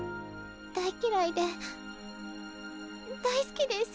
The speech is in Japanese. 大嫌いで大好きデス。